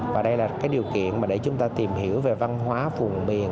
và đây là cái điều kiện mà để chúng ta tìm hiểu về văn hóa vùng biển